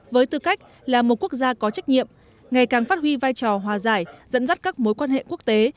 với tư cách là một quốc gia có trách nhiệm ngày càng phát huy vai trò hòa giải dẫn dắt các mối quan hệ quốc tế